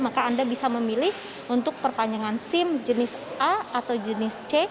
maka anda bisa memilih untuk perpanjangan sim jenis a atau jenis c